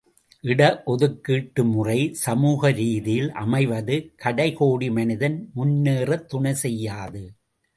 இட ஒதுக்கீட்டு முறை சமூக ரீதியில் அமைவது கடை கோடி மனிதன் முன்னேறத் துணை செய்யாது.